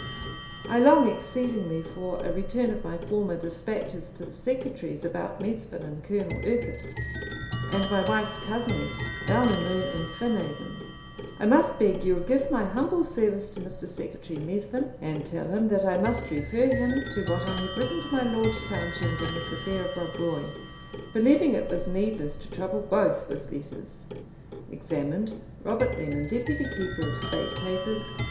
"I long exceedingly for a return of my former dispatches to the Secretary's about Methven and Colll Urquhart, and my wife's cousins, Balnamoon and Phinaven. "I must beg yow'll give my humble service to Mr. Secretary Methven, and tell him that I must refer him to what I have written to My Lord Townshend in this affair of Rob Roy, believing it was needless to trouble both with letters." Examined, Robt. Lemon, _Deputy Keeper of State Papers.